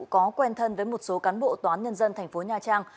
có quen thân với một số cán bộ toán nhân dân thành phố nha trang